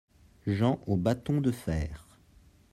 Jean au bâton de fer.